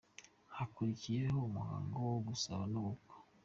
Hakurikiyeho umuhango wo gusaba no gukwa.